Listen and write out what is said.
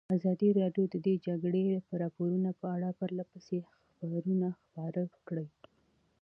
ازادي راډیو د د جګړې راپورونه په اړه پرله پسې خبرونه خپاره کړي.